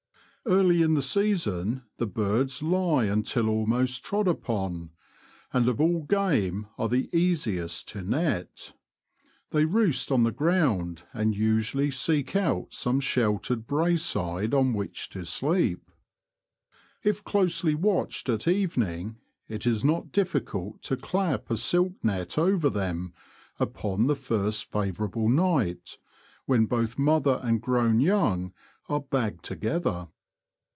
Early in the season the birds lie until almost trod upon, and of all game are the easiest to net. They roost on the ground, and usually seek out some sheltered brae side on which to sleep. If closely watched at evening, it is not difficult to clap a silk net over them upon the first favourable night, when both mother and grown young are bagged together.